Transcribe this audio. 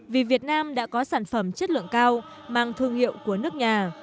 vì việt nam đã có sản phẩm chất lượng cao mang thương hiệu của nước nhà